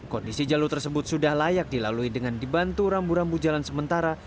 kondisi jalur tersebut sudah layak dilalui dengan dibantu rambu rambu jalan sementara